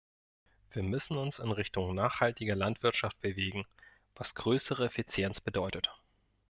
Wir müssen uns in Richtung nachhaltigerer Landwirtschaft bewegen, was größere Effizienz bedeutet.